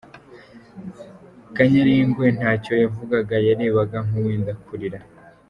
Kanyarengwe ntacyo yavugaga, yarebaga nk’uwenda kurira.